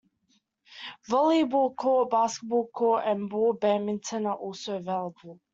Volleyball court, basketball court and ball badminton are also available.